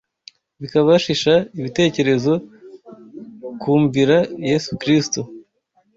Bikabashisha ibitekerezo kwumvira Yesu Kristo